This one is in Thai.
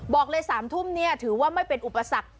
บอกเลย๓ทุ่มเนี่ยถือว่าไม่เป็นอุปสรรค